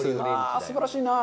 すばらしいなあ。